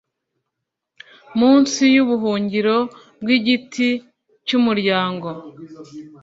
Munsi yubuhungiro bwigiti cyumuryango